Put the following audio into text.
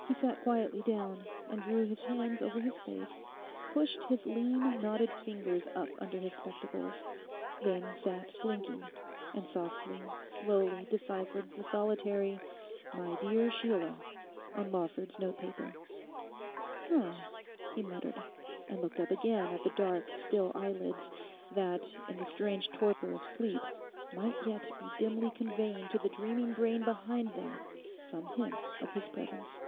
He sat quietly down and drew his hands over his face, pushed his lean knotted fingers up under his spectacles, then sat blinking—and softly slowly deciphered the solitary 'My dear Sheila' on Lawford's note paper. 'H'm,' he muttered, and looked up again at the dark still eyelids that in the strange torpor of sleep might yet be dimly conveying to the dreaming brain behind them some hint of his presence.